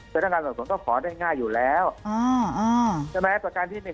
พนักงานสบทวนก็ขอเน็ดง่ายอยู่แล้วเถอะไหมตัวการที่๑แล้ว